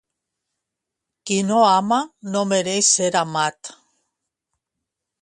Qui no ama no mereix ser amat.